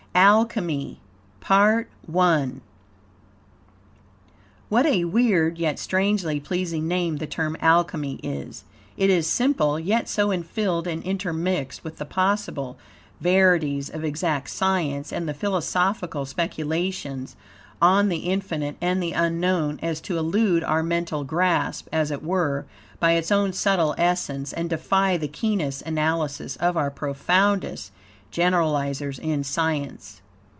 ALCHEMY PART I What a weird yet strangely pleasing name the term Alchemy is. It is simple, yet so infilled and intermixed with the possible verities of exact science and the philosophical speculations on the infinite and the unknown, as to elude our mental grasp, as it were, by its own subtle essence, and defy the keenest analysis of our profoundest generalizers in science.